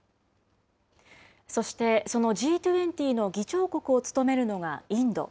そして、そのＧ２０の議長国を務めるのがインド。